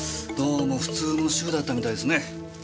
どうも普通の主婦だったみたいですね。